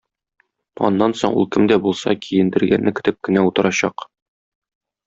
Аннан соң ул кем дә булса киендергәнне көтеп кенә утырачак.